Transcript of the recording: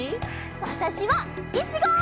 わたしはいちご！